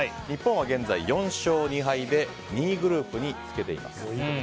日本は現在４勝２敗で２位グループにつけています。